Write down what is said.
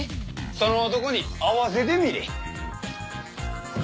その男に会わせでみれ。